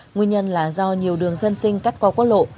nguyên nhân là do nhiều đường dân sinh cắt qua quốc lộ